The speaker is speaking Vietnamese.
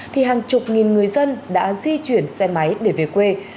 thì hàng chục nghìn người dân đã di chuyển xe máy để về quê